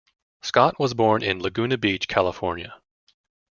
Scott was born in Laguna Beach, California.